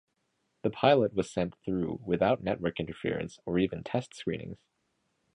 The pilot was sent through without network interference or even test screenings.